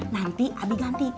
nanti abi ganti